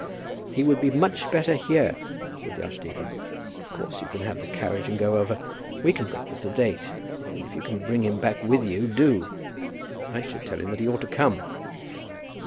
"He would be much better here," said the archdeacon. "Of course you can have the carriage and go over. We can breakfast at eight; and if you can bring him back with you, do. I should tell him that he ought to come."